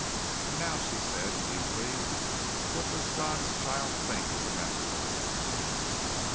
"And now," she said easily, "what does God's child think is the matter with him?"